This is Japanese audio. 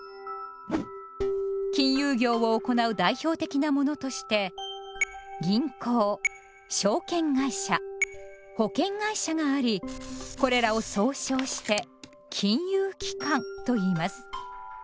金融業を行う代表的なものとして「銀行」「証券会社」「保険会社」がありこれらを総称して「金融機関」といいます。